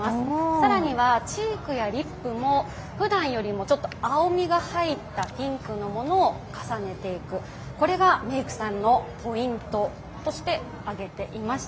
更には、チークやリップもふだんよりもちょっと青みが入ったピンクのものを重ねていく、これがメイクさんのポイントとして挙げていました。